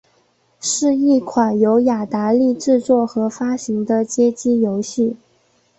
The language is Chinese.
是一款由雅达利制作和发行的街机游戏。